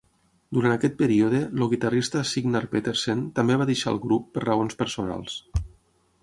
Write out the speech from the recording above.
Durant aquest període, el guitarrista Signar Petersen també va deixar el grup per raons personals.